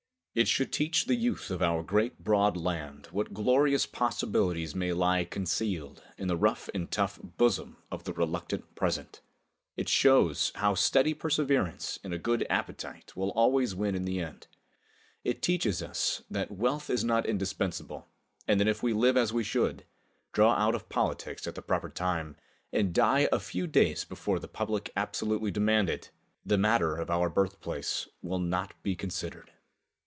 It should teach the youth of our great broad land what glorious possibilities may lie concealed in the rough and tough bosom of the reluctant present. It shows how steady perseverance and a good appetite will always win in the end. It teaches us that wealth is not indispensable, and that if we live as we should, draw out of politics at the proper time, and die a few days before the public absolutely demand it, the matter of our birthplace will not be considered.